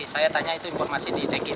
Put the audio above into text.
saya tanya itu informasi di tanki empat